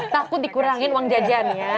takut dikurangin uang jajan ya